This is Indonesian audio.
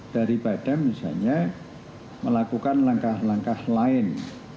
daripada misalnya melakukan langkah langkah lain